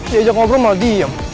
jangan ngobrol malah diem